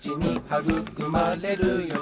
「はぐくまれるよ